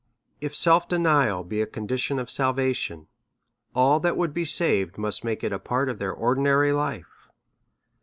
7 If self denial be a condition of salvation^ all that would be saved must make it a part of their ordinary life.